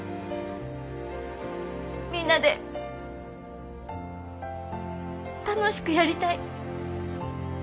みんなで楽しくやりたい。